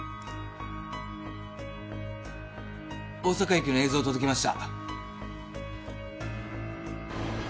大阪駅の映像届きました。